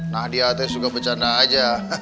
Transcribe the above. nah di ateh juga bercanda aja